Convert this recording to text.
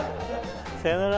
さよなら。